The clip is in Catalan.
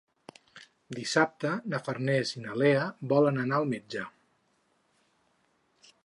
Dissabte na Farners i na Lea volen anar al metge.